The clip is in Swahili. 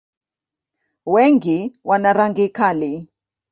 Wengi wana rangi kali.